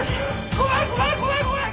怖い怖い怖い怖い！